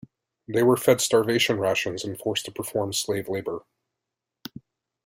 They were fed starvation rations and forced to perform slave labor.